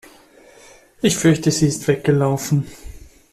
Ich fürchte, sie ist weggelaufen.